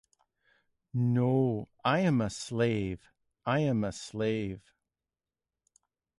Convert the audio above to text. No I am a slave, I am a slave.